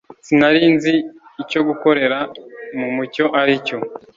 Sinari nzi icyo gukorera mu mucyo ari cyo,